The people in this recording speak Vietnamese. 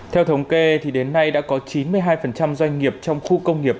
theo thống kê thì đến nay đã có chín mươi hai doanh nghiệp trong khu công nghiệp